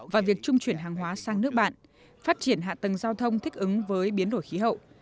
và việc trung chuyển hàng hóa sang nước bạn phát triển hạ tầng giao thông thích ứng với biến đổi khí hậu